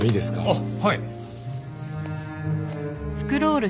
あっはい。